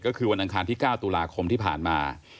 ก็คือวันอังคารที่๙ตุลาคมที่ผ่านมา